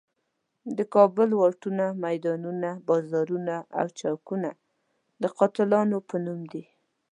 د کابل واټونه، میدانونه، بازارونه او چوکونه د قاتلانو په نوم دي.